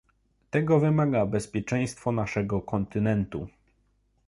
Tego wymaga bezpieczeństwo naszego kontynentu